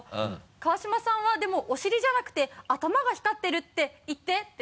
川島さんはでもお尻じゃなくて頭が光ってる」って言ってって。